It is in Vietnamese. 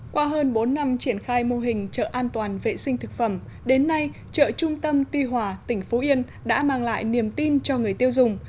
qua hơn bốn năm triển khai mô hình chợ an toàn vệ sinh thực phẩm đến nay chợ trung tâm tuy hòa tỉnh phú yên đã mang lại niềm tin cho người tiêu dùng